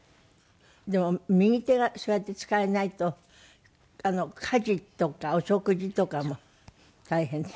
でも右手がそうやって使えないと家事とかお食事とかも大変でしょ？